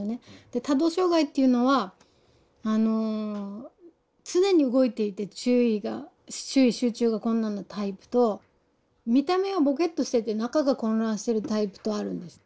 で多動障害っていうのは常に動いていて注意集中が困難なタイプと見た目はぼけっとしてて中が混乱してるタイプとあるんです。